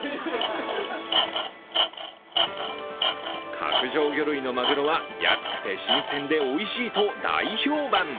角上魚類のまぐろは安くて新鮮でおいしいと大評判。